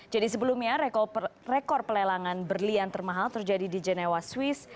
jadi sebelumnya rekor pelelangan berlian termahal terjadi di genewa swiss